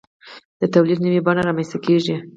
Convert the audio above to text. د تولید نوې بڼه رامنځته کیږي.